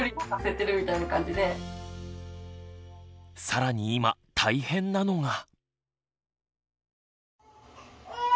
更に今大変なのが。